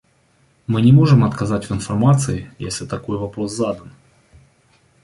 Мы не можем отказать в информации, если такой вопрос задан.